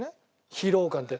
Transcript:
疲労感って。